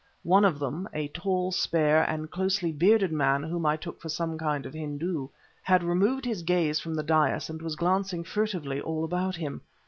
One of them a tall, spare, and closely bearded man whom I took for some kind of Hindu had removed his gaze from the dais and was glancing furtively all about him.